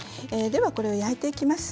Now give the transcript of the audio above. では、これを焼いていきます。